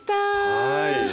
はい。